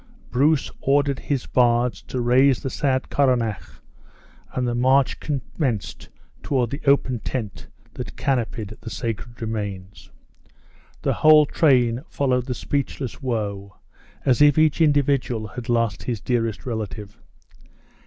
Bruce ordered his bards to raise the sad coronach, and the march commenced toward the open tent that canopied the sacred remains. The whole train followed the speechless woe, as if each individual had lost his dearest relative.